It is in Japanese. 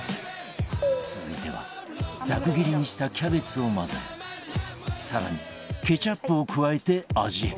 続いてはざく切りにしたキャベツを混ぜ更にケチャップを加えて味変